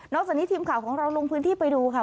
จากนี้ทีมข่าวของเราลงพื้นที่ไปดูค่ะ